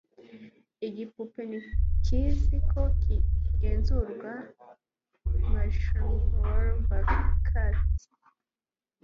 Igipupe ntikizi ko kigenzurwa marshmallowcat